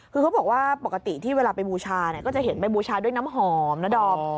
คือเขาบอกว่าปกติที่เวลาไปบูชาก็จะเห็นไปบูชาด้วยน้ำหอมนะดอม